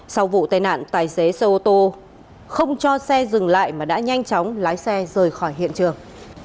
sau vụ tai nạn tài xế xe ô tô không cho xe dừng lại mà đã nhanh chóng lái xe rời khỏi hiện trường